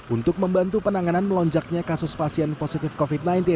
untuk membantu penanganan melonjaknya kasus pasien positif covid sembilan belas